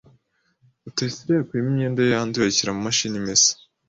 Rutayisire yakuyemo imyenda ye yanduye ayishyira mu mashini imesa.